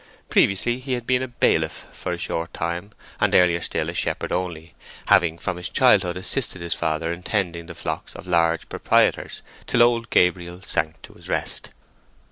Previously he had been a bailiff for a short time, and earlier still a shepherd only, having from his childhood assisted his father in tending the flocks of large proprietors, till old Gabriel sank to rest.